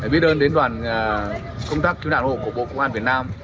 biết ơn đến đoàn công tác cứu nạn hộ của bộ công an việt nam